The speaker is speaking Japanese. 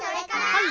はい！